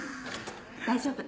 大丈夫。